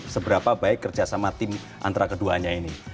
seberapa baik kerjasama tim antara keduanya ini